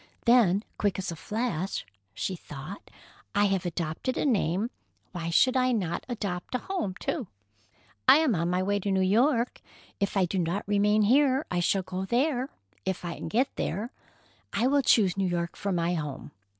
Then, quick as a flash, she thought, "I have adopted a name—why should I not adopt a home, too? I am on my way to New York. If I do not remain here, I shall go there—if I can get there. I will choose New York for my home.